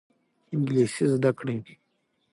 انګلیسي زده کړئ.